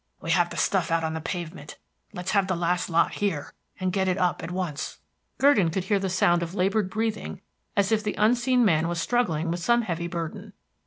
"We have the stuff out on the pavement. Let's have the last lot here, and get it up at once." Gurdon could hear the sound of labored breathing as if the unseen man was struggling with some heavy burden.